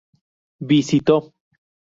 visito